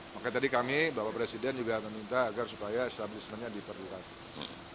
makanya tadi kami bapak presiden juga meminta agar supaya establishmentnya diperlukan